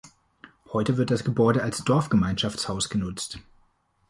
Heute wird das Gebäude als Dorfgemeinschaftshaus genutzt.